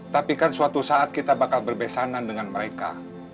tapi kan suatu saat kita bakal berbesanan dengan mereka